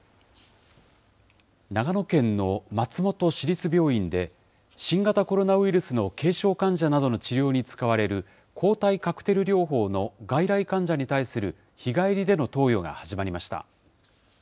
長野県の松本市立病院で、新型コロナウイルスの軽症患者などの治療に使われる抗体カクテル療法の外来患者に対する日帰りでの投与が始まりました。